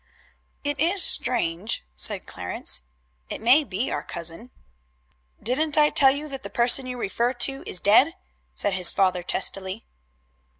"It is strange," said Clarence. "It may be our cousin." "Didn't I tell you that the person you refer to is dead?" said his father testily.